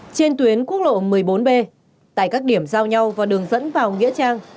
trên tuyến quốc lộ một mươi bốn b tại các điểm giao nhau và đường dẫn vào nghĩa trang